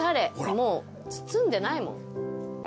もう包んでないもん。